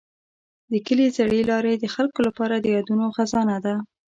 د کلي زړې لارې د خلکو لپاره د یادونو خزانه ده.